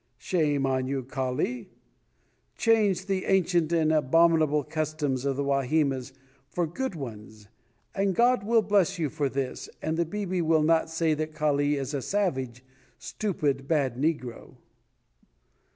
Shame on you, Kali. Change the ancient and abominable customs of the Wahimas for good ones and God will bless you for this and the 'bibi' will not say that Kali is a savage, stupid, bad negro."